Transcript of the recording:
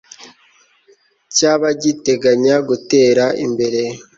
cy'abagiteganya gutera imbere